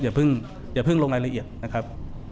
อย่าเพิ่งลงรายละเอียดนะครับ